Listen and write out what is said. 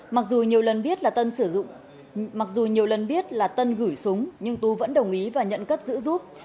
mặc dù nhiều lần biết là tân gửi súng nhưng tú vẫn đồng ý và nhận cất giữ giúp